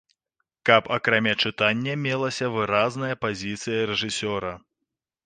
Каб акрамя чытання мелася выразная пазіцыя рэжысёра.